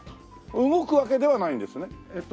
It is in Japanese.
動くわけではないんですね？